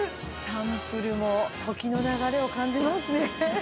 サンプルも時の流れを感じますね。